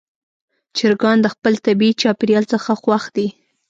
چرګان د خپل طبیعي چاپېریال څخه خوښ دي.